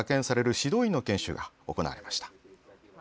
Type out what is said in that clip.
指導員の研修が行われました。